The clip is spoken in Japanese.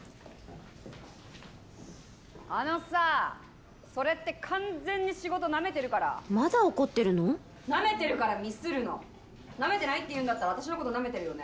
あのさそれって完全に仕事ナメてるからナメてるからミスるのナメてないっていうんだったら私のことナメてるよね？